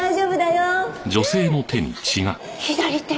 左手！